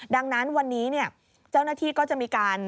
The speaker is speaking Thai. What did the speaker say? ดังนั้นวันนี้เจ้าหน้าที่ก็จะมีการ